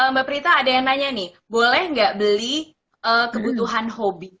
mbak prita ada yang nanya nih boleh nggak beli kebutuhan hobi